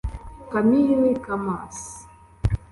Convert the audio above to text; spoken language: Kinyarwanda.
Camille Chammas